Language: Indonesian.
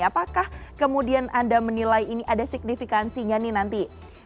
apakah kemudian anda menilai ini ada signifikansinya nih nanti